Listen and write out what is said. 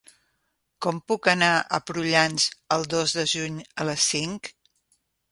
Com puc anar a Prullans el dos de juny a les cinc?